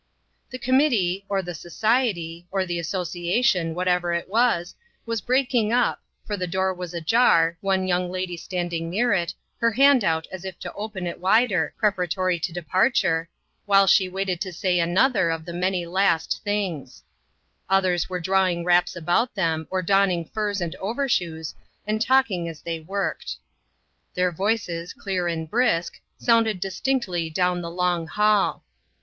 The committee, or the society, or the asso ciation, whatever it was, was breaking up", for the door was ajar, one young lady stand ing near it, her hand out as if to open it wider, preparatory to departure, while she waited to say another of the many last things 7 8 INTERRUPTED. Others were drawing wraps about them, or donning furs and overshoes, and talking as they worked. Their voices, clear and brisk, sounded distinctly down the long hall.